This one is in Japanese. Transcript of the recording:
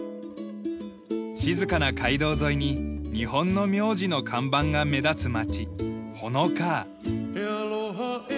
静かな街道沿いに日本の名字の看板が目立つ町